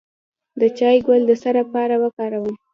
د چای ګل د څه لپاره وکاروم؟